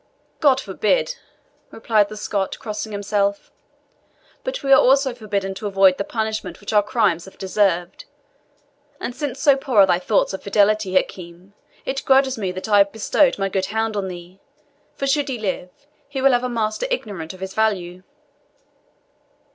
"God forbid!" replied the Scot, crossing himself; "but we are also forbidden to avoid the punishment which our crimes have deserved. And since so poor are thy thoughts of fidelity, Hakim, it grudges me that I have bestowed my good hound on thee, for, should he live, he will have a master ignorant of his value."